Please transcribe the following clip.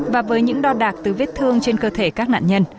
và với những đo đạc từ vết thương trên cơ thể các nạn nhân